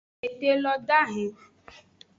Ete lo dahen.